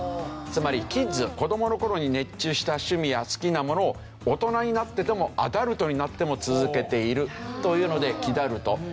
つまりキッズ子どもの頃に熱中した趣味や好きなものを大人になってでもアダルトになっても続けているというのでキダルト。